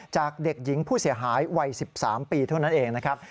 จากเด็กหญิงผู้เสียหายวัย๑๓ปีเท่านั้นเองนะครับ